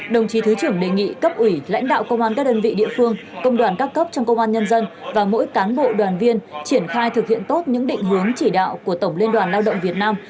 đồng chí thứ trưởng đề nghị cấp ủy lãnh đạo công an các đơn vị địa phương công đoàn các cấp trong công an nhân dân và mỗi cán bộ đoàn viên triển khai thực hiện tốt những định hướng chỉ đạo của tổng liên đoàn lao động việt nam